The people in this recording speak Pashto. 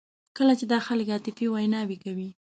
کله چې دا خلک عاطفي ویناوې کوي.